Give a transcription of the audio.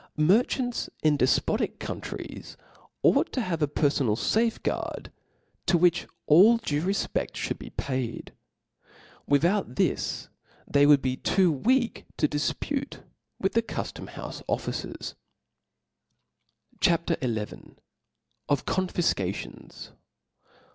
Merchants in defpotic countries ought to have a perfonal fafeguard, to which all due refpeft (hould be paid. Without this they would be too weak to difpute with the cuilom houfe officers. CHAP. XL Of Confifcations.